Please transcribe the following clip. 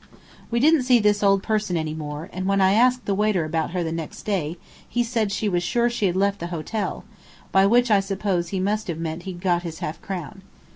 We didn't see this old person any more, and when I asked the waiter about her the next day he said he was sure she had left the hotel, by which I suppose he must have meant he'd got his half crown.